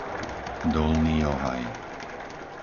Dolný Ohaj